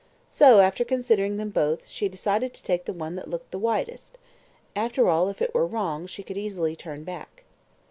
So, after considering them both, she decided to take the one that looked widest. After all, if it were wrong, she could easily turn back.